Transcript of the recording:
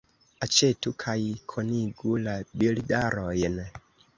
Aĉetu kaj konigu la bildarojn.